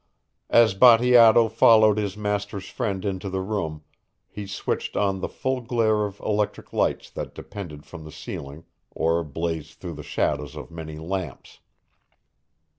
As Bateato followed his master's friend into the room he switched on the full glare of electric lights that depended from the ceiling or blazed through the shades of many lamps.